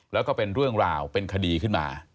แล้วก็เป็นเรื่องราวเป็นคดีขึ้นมา